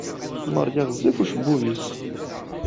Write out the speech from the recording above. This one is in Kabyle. Maria ɣezzif ucebbub-is.